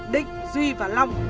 định duy và long